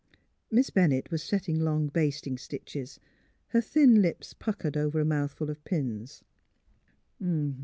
Miss Bennett was setting long basting stitches, her thin lips puckered over a mouthful of pins.